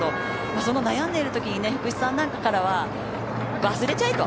その悩んでいる時に福士さんなんかからは忘れちゃえと。